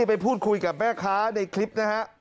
ไปพูดคุยกับแม่ค้าในคลิปนะฮะ